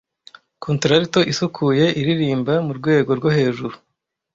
Contralto isukuye iririmba murwego rwo hejuru,